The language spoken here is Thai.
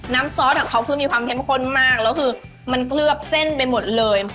ซอสของเขาคือมีความเข้มข้นมากแล้วคือมันเคลือบเส้นไปหมดเลย